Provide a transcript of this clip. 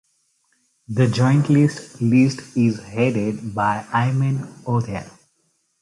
The Joint List list is headed by Ayman Odeh.